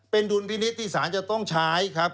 เป็นดุลพินิษฐ์ที่สารจะต้องใช้ครับ